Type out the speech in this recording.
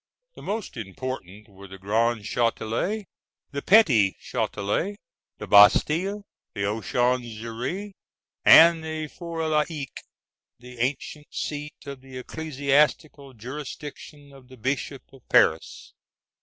The most important were the Grand Châtelet, the Petit Châtelet, the Bastille, the Conciergerie, and the For l'Evêque, the ancient seat of the ecclesiastical jurisdiction of the Bishop of Paris.